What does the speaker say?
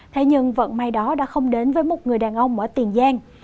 thế nhưng vận may đó đã không đến với một người đàn ông ở tiền giang